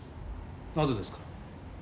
なぜですか？